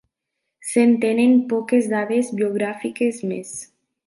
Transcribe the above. Se'n tenen poques dades biogràfiques més.